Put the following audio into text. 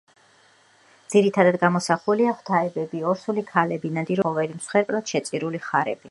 ძირითადად გამოსახულია ღვთაებები, ორსული ქალები, ნადირობის სცენები, სხვადასხვა ცხოველი, მსხვერპლად შეწირული ხარები.